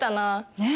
ねえ。